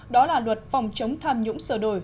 đó là luật phòng chống tham nhũng sở đổi